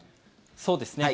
そうですね。